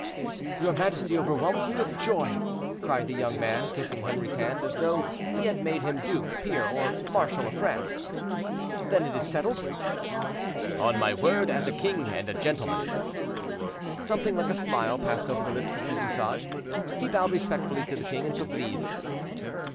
"Your majesty overwhelms me with joy," cried the young man, kissing Henri's hand as though he had made him duke, peer, or marshal of France. "Then it is settled?" "On my word as a king and a gentleman." Something like a smile passed over the lips of Du Bouchage; he bowed respectfully to the king and took leave.